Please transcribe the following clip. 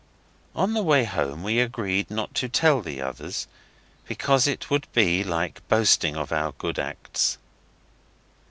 On the way home we agreed not to tell the others, because it would be like boasting of our good acts.